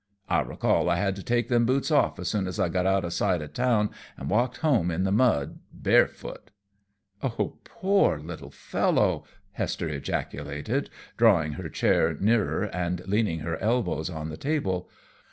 I recall I had to take them boots off as soon as I got out of sight o' town, and walked home in the mud barefoot." "O poor little fellow!" Hester ejaculated, drawing her chair nearer and leaning her elbows on the table.